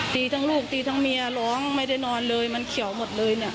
ตีทั้งลูกตีทั้งเมียร้องไม่ได้นอนเลยมันเขียวหมดเลยเนี่ย